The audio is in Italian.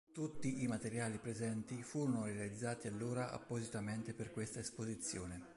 Tutti i materiali presenti furono realizzati allora appositamente per questa esposizione.